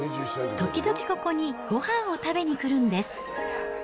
時々ここにごはんを食べに来るんです。